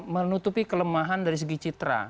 menutupi kelemahan dari segi citra